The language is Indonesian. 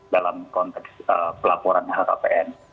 dalam konteks pelaporan lhkpn